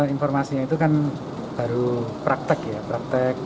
informasinya itu kan baru praktek ya praktek